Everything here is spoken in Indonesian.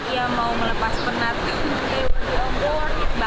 ya mau melepas penat ke bodi ombak